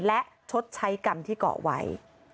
และชดใช้กรรมที่เกาะไว้